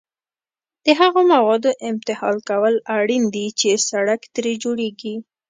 د هغو موادو امتحان کول اړین دي چې سړک ترې جوړیږي